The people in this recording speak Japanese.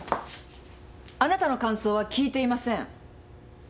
あなたの感想は聞いていません。